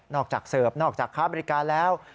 จากเสิร์ฟนอกจากค้าบริการแล้ว